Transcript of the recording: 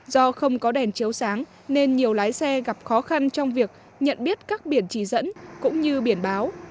do không có đèn chiếu sáng nên nhiều lái xe gặp khó khăn trong việc nhận biết các biển chỉ dẫn cũng như biển báo